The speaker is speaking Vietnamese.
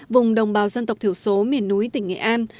vùng đồng bào dân tộc thiểu số miền núi tỉnh nghệ an